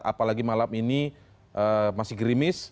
apalagi malam ini masih grimis